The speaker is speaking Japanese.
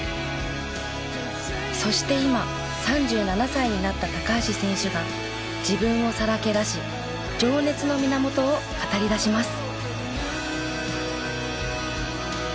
そして今３７歳になった高橋選手が自分をさらけ出し情熱の源を語りだします。